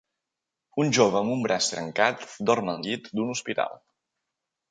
Un jove amb un braç trencat dorm al llit d'un hospital.